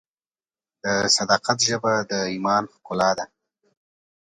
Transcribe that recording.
د صداقت ژبه د ایمان ښکلا ده.